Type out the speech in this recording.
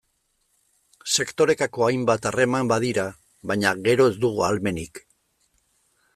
Sektorekako hainbat harreman badira, baina gero ez dugu ahalmenik.